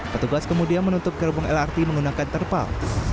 petugas kemudian menutup gerbong lrt menggunakan terpal